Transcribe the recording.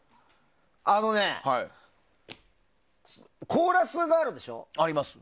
あのね、コーラスがあるでしょ。